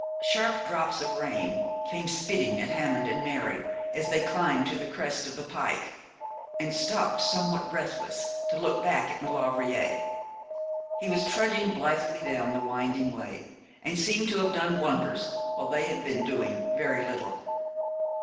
Sharp drops of rain came spitting at Hammond and Mary as they climbed the crest of the Pike, and stopped, somewhat breathless, to look back at Maulevrier. He was trudging blithely down the winding way, and seemed to have done wonders while they had been doing very little.